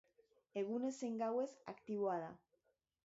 Egunez zein gauez aktiboa da.